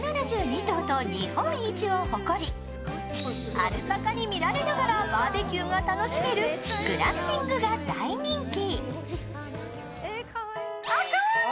アルパカに見られながらバーベキューが楽しめるグランピングが大人気。